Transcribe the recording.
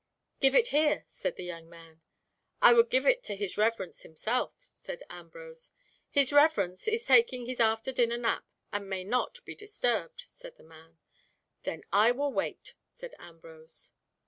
"Give it here," said the young man. "I would give it to his reverence himself," said Ambrose. "His reverence is taking his after dinner nap and may not be disturbed," said the man. "Then I will wait," said Ambrose.